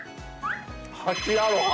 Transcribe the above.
８アロハ。